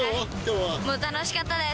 もう楽しかったです。